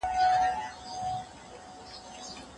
د مجرد لپاره خطبه او مرکه اسانه ده